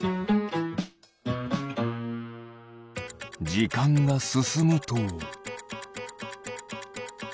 じかんがすすむと。